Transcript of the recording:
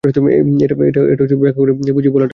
এটা ব্যাখ্যা করে বুঝিয়ে বলাটা কঠিন!